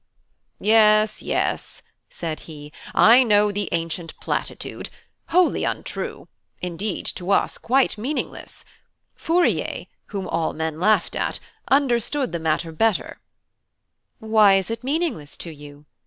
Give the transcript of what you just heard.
"Yes, yes," said he, "I know the ancient platitude, wholly untrue; indeed, to us quite meaningless. Fourier, whom all men laughed at, understood the matter better." "Why is it meaningless to you?"